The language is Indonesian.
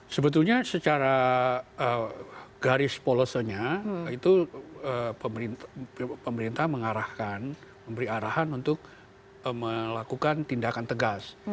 sebetulnya secara garis polosenya itu pemerintah mengarahkan memberi arahan untuk melakukan tindakan tegas